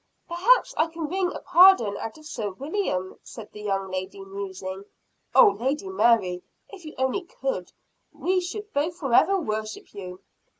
"Perhaps I can wring a pardon out of Sir William," said the lady musing. "Oh, Lady Mary, if you only could, we should both forever worship you!"